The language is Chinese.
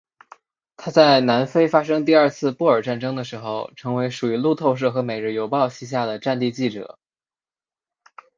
他在南非发生第二次布尔战争的时候成为属于路透社和每日邮报膝下的战地记者。